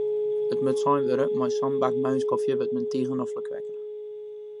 It moat sein wurde, mei sa'n bak moarnskofje wurdt men tige noflik wekker.